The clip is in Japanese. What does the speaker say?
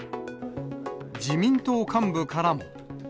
自民党幹部からも。